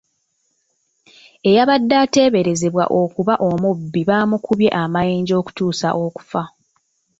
Eyabadde ateeberezebwa okuba omubbi baamukubye amayinja okutuusa okufa.